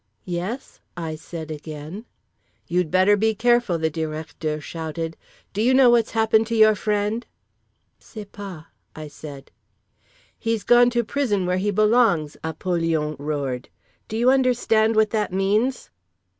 "Yes?" I said again. "You'd better be careful!" the Directeur shouted. "Do you know what's happened to your friend?" "Sais pas," I said. "He's gone to prison where he belongs!" Apollyon roared. "Do you understand what that means?"